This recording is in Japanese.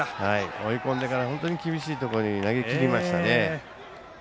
追い込んでから本当に厳しいところに投げ込みましたね。